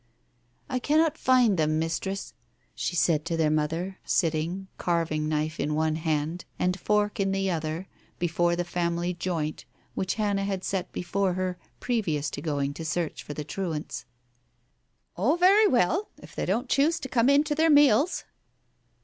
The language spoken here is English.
" I cannot find them, mistress," she said to their mother sitting, carving knife in one hand and fork in the other, before the family joint, which Hannah had set before her, previous to going in search of the truants. Digitized by Google THE BAROMETER 221 "Oh, very well ! if they don't choose to come in to their meals